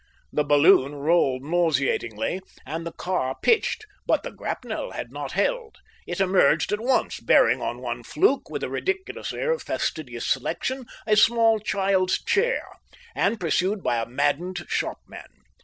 The balloon rolled nauseatingly, and the car pitched. But the grapnel had not held. It emerged at once bearing on one fluke, with a ridiculous air of fastidious selection, a small child's chair, and pursued by a maddened shopman.